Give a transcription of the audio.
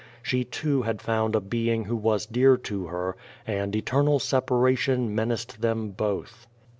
She, too, had found a being who was dear to her, and eternal separation menaced them both.